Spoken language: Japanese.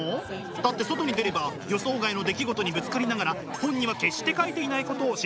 だって外に出れば予想外の出来事にぶつかりながら本には決して書いていないことを知ることがあります。